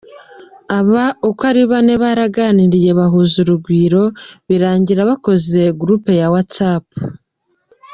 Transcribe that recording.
Aba uko ari bane baraganiriye bahuza urugwiro, birangira bakoze groupe ya Whatsapp.